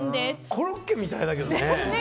コロッケみたいだけどね。